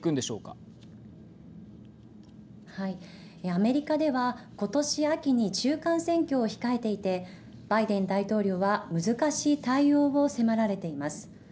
アメリカではことし秋に中間選挙を控えていてバイデン大統領は難しい対応を迫られています。